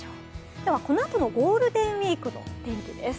ではこのあとのゴールデンウイークの天気です。